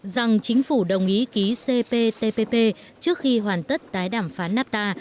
rằng chính phủ đồng ý ký cptpp trước khi hoàn tất tái đàm phán nafta